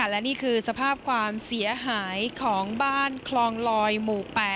และนี่คือสภาพความเสียหายของบ้านคลองลอยหมู่๘